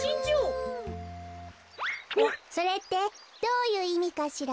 それってどういういみかしら？